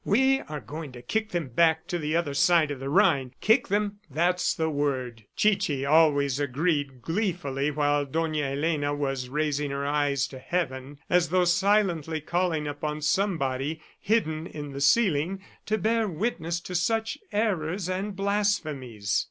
"We are going to kick them back to the other side of the Rhine kick them! ... That's the word." Chichi always agreed gleefully while Dona Elena was raising her eyes to heaven, as though silently calling upon somebody hidden in the ceiling to bear witness to such errors and blasphemies.